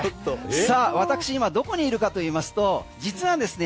私今どこにいるかといいますと実はですね